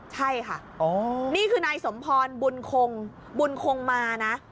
ใช่ค่ะนี่คือนายสมพรบุญคงบุญคงมานะ